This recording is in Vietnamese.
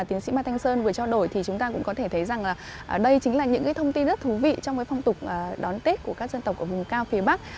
tiến sĩ mai thanh sơn vừa trao đổi thì chúng ta cũng có thể thấy rằng là đây chính là những cái thông tin rất thú vị trong cái phong tục đón tết của các dân tộc ở vùng cao phía bắc